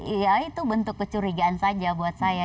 iya itu bentuk kecurigaan saja buat saya